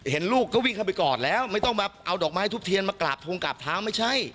ลูกก็วิ่งเข้าไปกอดแล้วไม่ต้องมาเอาดอกไม้ทุบเทียนมากราบทงกราบเท้าไม่ใช่